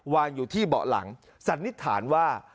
วางอยู่ที่เบาะหลังสันนิษฐานว่า